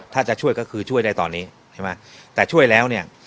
ถ้าจะช่วยก็คือช่วยได้ตอนนี้ใช่ไหมแต่ช่วยแล้วเนี่ย